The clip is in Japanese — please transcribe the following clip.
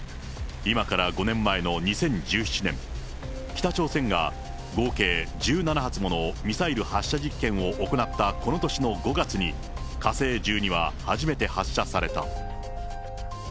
今から５年前の２０１７年、北朝鮮が合計１７発ものミサイル発射実験を行ったこの年の５月に、火星１２は初めて発射された。